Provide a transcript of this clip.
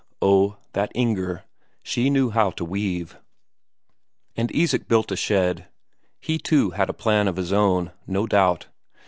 Oh, that Inger; she knew how to weave. And Isak built a shed he too had a plan of his own, no doubt.